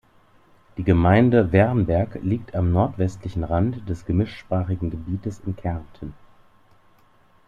Die Gemeinde Wernberg liegt am nordwestlichen Rand des gemischtsprachigen Gebietes in Kärnten.